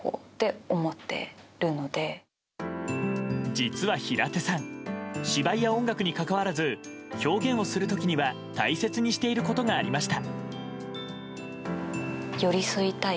実は平手さん芝居や音楽にかかわらず表現をする時には大切にしていることがありました。